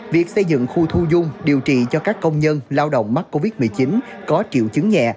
việc xây dựng khu thu dung điều trị cho các công nhân lao động mắc covid một mươi chín có triệu chứng nhẹ